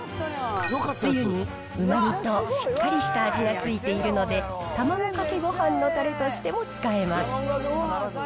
つゆにうまみとしっかりした味がついているので、卵かけごはんのたれとしても使えます。